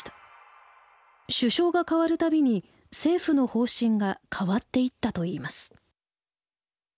首相がかわる度に政府の方針が変わっていったといいます。